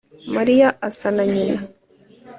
mariya asa na nyina